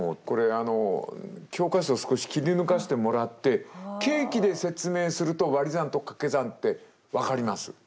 これあの教科書を少し切り抜かしてもらってケーキで説明すると割り算と掛け算って分かります。